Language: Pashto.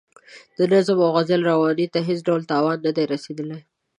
د نظم او غزل روانۍ ته هېڅ ډول تاوان نه دی رسیدلی.